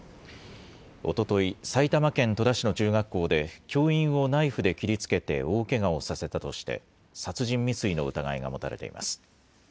おととい、埼玉県戸田市の中学校で、教員をナイフで切りつけて大けがをさせたとして、殺人未遂の疑いが持たれています。